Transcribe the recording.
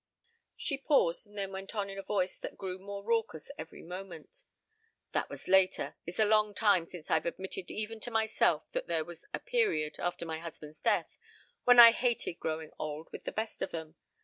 She paused and then went on in a voice that grew more raucous every moment. "That was later. It's a long time since I've admitted even to myself that there was a period after my husband's death when I hated growing old with the best of them.